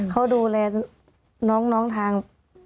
เขาดูแลน้องทาง